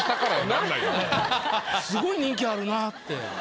すごい人気あるなって。